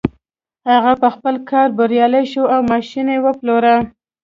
هغه په خپل کار بريالی شو او ماشين يې وپلوره.